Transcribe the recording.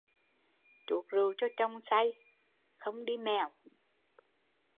Chuốc rượu cho chồng say, không đi mèo